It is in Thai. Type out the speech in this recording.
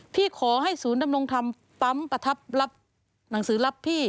ที่ขอให้ศูนย์ดำรงธรรมปั๊มประทับรับหนังสือรับพี่